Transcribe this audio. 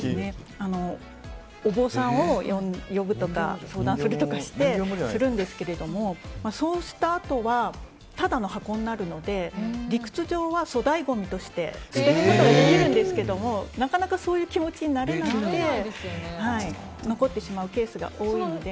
お坊さんを呼ぶとか相談するとかしてするんですけれどもそうしたあとはただの箱になるので理屈上は粗大ごみとして捨てることができるんですけどなかなかそういう気持ちになれないので残ってしまうケースが多いので。